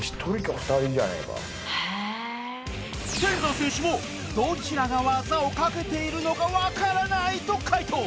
天山選手も「どちらが技をかけているのかわからない！」と回答